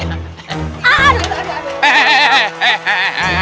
aduh ada ada